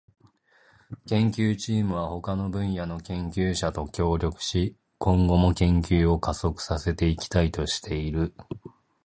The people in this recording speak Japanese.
研究チームは他の分野の研究者と協力し、今後も研究を加速させていきたいとしている。